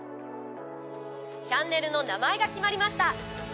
チャンネルの名前が決まりました。